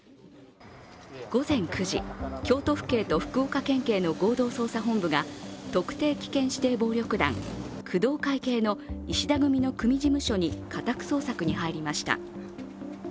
午前９時、京都府警と福岡県警の合同捜査本部が特定危険指定暴力団・工藤会系の石田組の組事務所に家宅捜索に入りました。